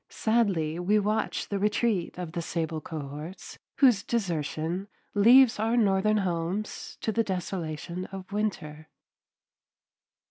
Sadly we watch the retreat of the sable cohorts, whose desertion leaves our northern homes to the desolation of winter.